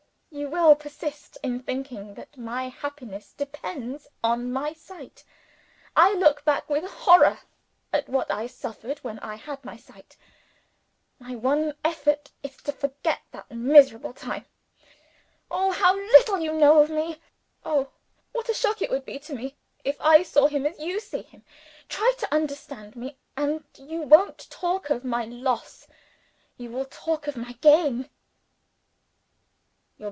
You will persist in thinking that my happiness depends on my sight. I look back with horror at what I suffered when I had my sight my one effort is to forget that miserable time. Oh, how little you know of me! Oh, what a shock it would be to me, if I saw him as you see him! Try to understand me, and you won't talk of my loss you will talk of my gain."